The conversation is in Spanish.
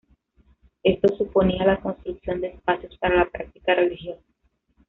Esto suponía la construcción de espacios para la práctica religiosa.